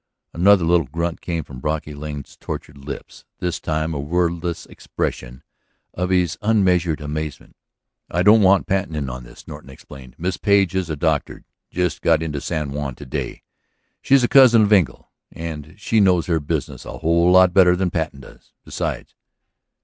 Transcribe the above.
..." Another little grunt came from Brocky Lane's tortured lips, this time a wordless expression of his unmeasured amazement. "I didn't want Patten in on this," Norton explained. "Miss Page is a doctor; just got into San Juan to day. She's a cousin of Engle. And she knows her business a whole lot better than Patten does, besides."